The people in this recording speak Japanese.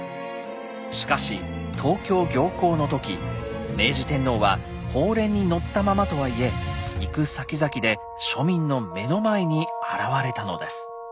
しかし東京行幸の時明治天皇は鳳輦に乗ったままとはいえ行くさきざきで庶民の目の前に現れたのです。